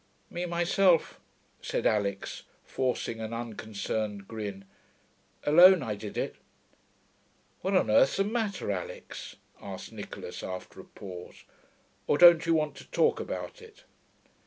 'Me myself,' said Alix, forcing an unconcerned grin. 'Alone I did it.' 'What on earth's the matter, Alix?' asked Nicholas after a pause. 'Or don't you want to talk about it?'